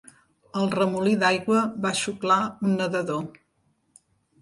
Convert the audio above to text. El remolí d'aigua va xuclar un nedador.